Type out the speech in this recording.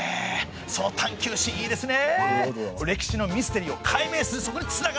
その探究心いいですね！